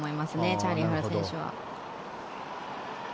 チャーリー・ハル選手は。